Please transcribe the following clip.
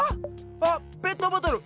あっペットボトル！